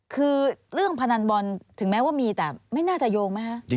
คือเรื่องพนันบอลถึงแม้ว่ามีแต่ไม่น่าจะโยงไหมคะ